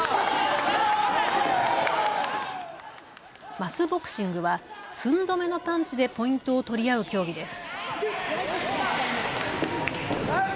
マスボクシングは寸止めのパンチでポイントを取り合う競技です。